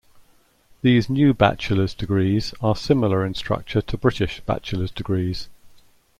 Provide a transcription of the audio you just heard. These new bachelor's degrees are similar in structure to British bachelor's degrees.